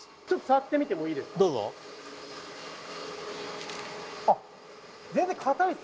ちょっと触ってみてもいいですか？